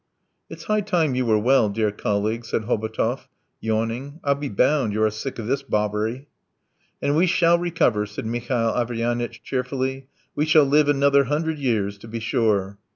"It's high time you were well, dear colleague," said Hobotov, yawning. "I'll be bound, you are sick of this bobbery." "And we shall recover," said Mihail Averyanitch cheerfully. "We shall live another hundred years! To be sure!"